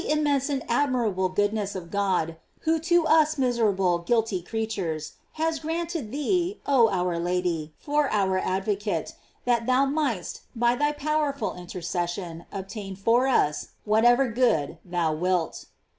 immense and admirable goodness of God, whotc us miserable, guilty creatures, has grunted thee, oh our Lady, for our advocate, that thou inightest, by thy powerful intercession, obtain for us what ever good thou wilt.